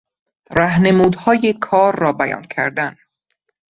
رهنمودهای کار را بیان کردن